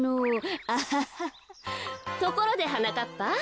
ところではなかっぱ。